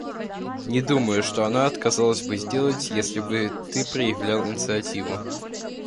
Не думаю, что она отказалась бы сделать, если бы ты проявил инициативу.